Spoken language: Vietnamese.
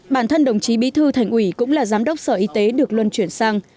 bản thân đồng chí bí thư thành ủy cũng là giám đốc sở y tế được luân chuyển sang